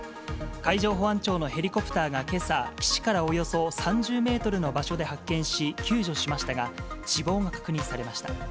海上保安庁のヘリコプターがけさ、岸からおよそ３０メートルの場所で発見し、救助しましたが、死亡が確認されました。